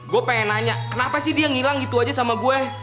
gue pengen nanya kenapa sih dia ngilang gitu aja sama gue